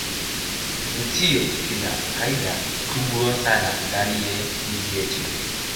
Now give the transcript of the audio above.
vivutio vina faida kubwa sana ndani ya nchi yetu